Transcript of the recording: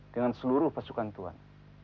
dengan seluruh pasukan tuan